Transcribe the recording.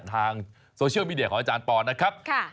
ทางโซเชียลมีเดียของอาจารย์ปอนนะครับ